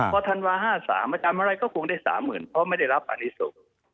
พอธันวา๕๓อาจารย์อะไรก็คงได้๓๐๐๐๐เพราะไม่ได้รับอันนี้สุด